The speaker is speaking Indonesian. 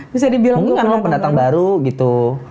mungkin karena lo pendatang baru gitu